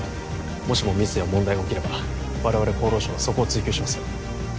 もしもミスや問題が起きれば我々厚労省はそこを追及しますよ